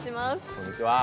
こんにちは。